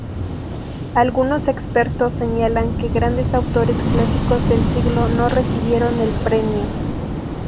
Algunos expertos señalan que grandes autores clásicos del siglo no recibieron el premio.